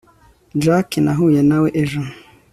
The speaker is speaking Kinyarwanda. Jack nahuye nawe ejo